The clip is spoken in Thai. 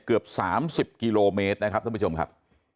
เกือบ๓๐กิโลเมตรนะครับท่านผู้ชมครับ